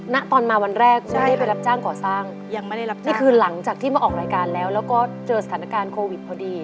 ณตอนมาวันแรกไม่ได้ไปรับจ้างก่อสร้างยังไม่ได้รับนี่คือหลังจากที่มาออกรายการแล้วแล้วก็เจอสถานการณ์โควิดพอดี